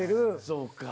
そうか。